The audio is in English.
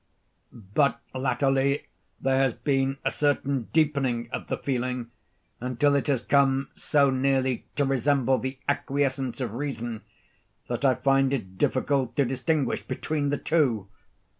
But latterly there has been a certain deepening of the feeling, until it has come so nearly to resemble the acquiescence of reason, that I find it difficult to distinguish between the two.